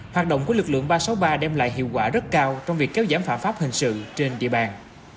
hoạt động của lực lượng ba trăm sáu mươi ba đem lại hiệu quả rất cao trong việc kéo giảm phạm pháp hình sự trên địa bàn